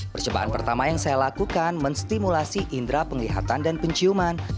percobaan pertama yang saya lakukan menstimulasi indera penglihatan dan penciuman